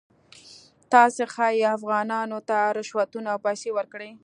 تاسې ښایي افغانانو ته رشوتونه او پیسې ورکړئ.